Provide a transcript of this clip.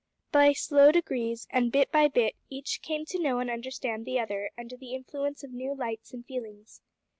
By slow degrees, and bit by bit, each came to know and understand the other under the influence of new lights and feelings.